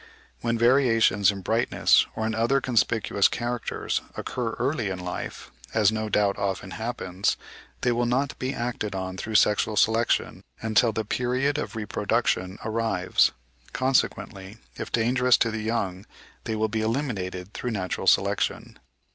When variations in brightness or in other conspicuous characters occur early in life, as no doubt often happens, they will not be acted on through sexual selection until the period of reproduction arrives; consequently if dangerous to the young, they will be eliminated through natural selection.